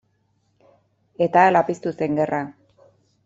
Eta hala piztu zen gerra.